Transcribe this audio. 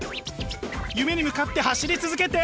夢に向かって走り続けて！